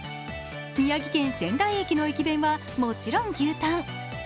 宮城県仙台駅の駅弁はもちろん牛タン。